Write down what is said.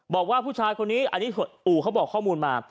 บอกว่าผู้ชายคนนี้อันนี้อู่เขาบอกข้อมูลมา